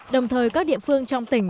đồng thời các địa phương trong tỉnh